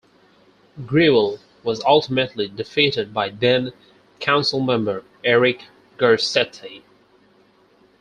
Greuel was ultimately defeated by then-Councilmember Eric Garcetti.